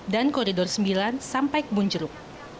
dan koridor sembilan sampai kebonjeruk